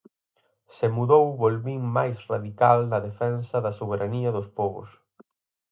Se mudou volvín máis radical na defensa da soberanía dos pobos.